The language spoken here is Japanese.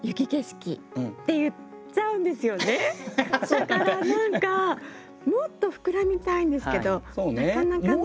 だから何かもっと膨らみたいんですけどなかなかね。